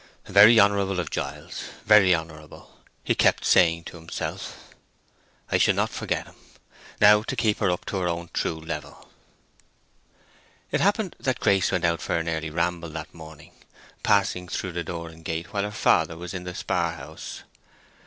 "Very honorable of Giles, very honorable," he kept saying to himself. "I shall not forget him. Now to keep her up to her own true level." It happened that Grace went out for an early ramble that morning, passing through the door and gate while her father was in the spar house.